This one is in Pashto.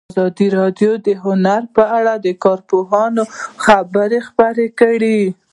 ازادي راډیو د هنر په اړه د کارپوهانو خبرې خپرې کړي.